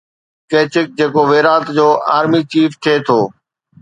ڪيچڪ جيڪو ويرات جو army chief ٿي ٿو